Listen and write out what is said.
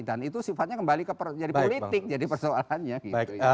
dan itu sifatnya kembali jadi politik jadi persoalannya gitu ya